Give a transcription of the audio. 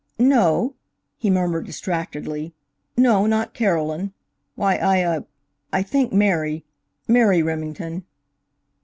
"No," he murmured distractedly; "no, not Carolyn. Why, I ah I think Mary Mary Remington."